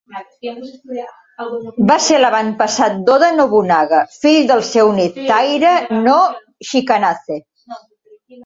Va ser l'avantpassat d'Oda Nobunaga, fill del seu net Taira no Chikazane.